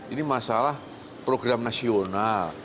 ini masalah program nasional